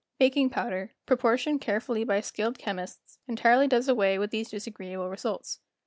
Baking powder, proportioned carefully by skilled chemists, entirely does away with these disagreeable results.